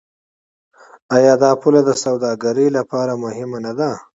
آیا دا پوله د سوداګرۍ لپاره مهمه نه ده؟